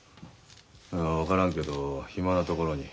あ分からんけど暇なところに。